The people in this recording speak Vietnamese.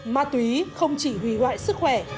ma túy không chỉ hủy hoại sức khỏe